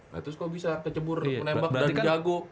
nah terus kok bisa kecebur menembak dan jago